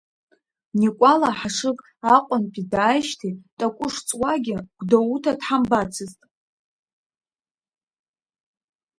Никәала Ҳашыг Аҟәантәи дааижьҭеи такәы шҵуагьы, Гәдоуҭа дҳамбацызт.